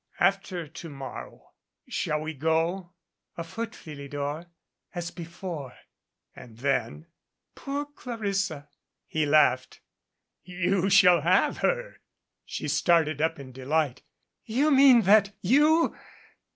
"After to morrow shall we go?" "Afoot, Philidor as before." And then. "Poor Clarissa!" He laughed. "You shall have her." She started up in delight. "You mean that you